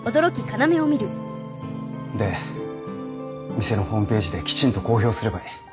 で店のホームページできちんと公表すればいい。